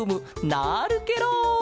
なるケロ！